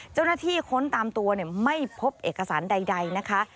เจ้าหน้าที่ค้นตามตัวไม่พบเอกสารใดนะคะ